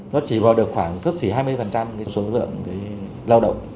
nó chỉ vào được khoảng sớm xỉ hai mươi cái số lượng